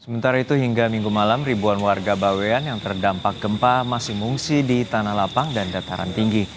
sementara itu hingga minggu malam ribuan warga bawean yang terdampak gempa masih mengungsi di tanah lapang dan dataran tinggi